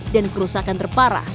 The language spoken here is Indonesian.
dan kerusakan terparah